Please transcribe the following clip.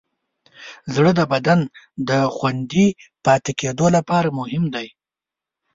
زړه د بدن د خوندي پاتې کېدو لپاره مهم دی.